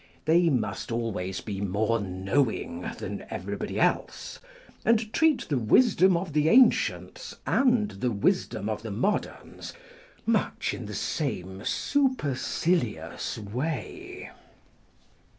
They must alwrays be more knowing than everybody else, and treat the wisdom of the ancients, and the wisdom of the moderns, much in the same supercilious way.